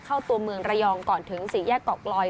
เข้าตัวเมืองระยองก่อนถึงสี่แยกเกาะกลอย